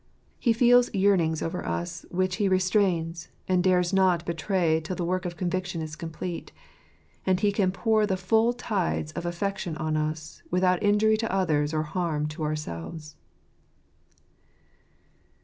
He feels yearnings over us which He restrains, and dares not betray till the work of conviction is complete, and He can pour the full tides of affection on us, without injury to others or harm to ourselves.